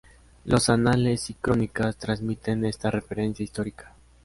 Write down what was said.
Los anales y crónicas transmiten esta referencia histórica.